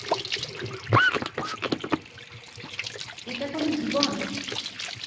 এটা কোনো জীবন!